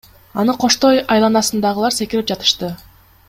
Аны коштой айланасындагылар секирип жатышты.